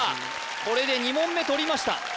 これで２問目とりました